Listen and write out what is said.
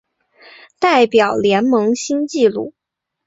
代表联盟新纪录